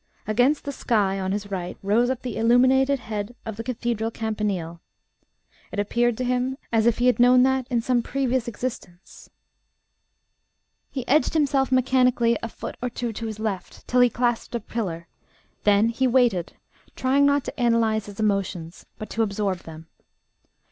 Against the sky on his right rose up the illuminated head of the Cathedral Campanile. It appeared to him as if he had known that in some previous existence. He edged himself mechanically a foot or two to his left, till he clasped a pillar; then he waited, trying not to analyse his emotions, but to absorb them.